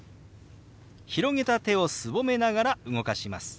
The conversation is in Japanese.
広げた手をすぼめながら動かします。